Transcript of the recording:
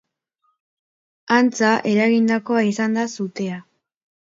Antza, eragindakoa izan da sutea.